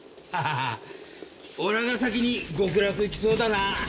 おらが先に極楽行きそうだなあ。